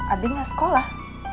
abi gak sekolah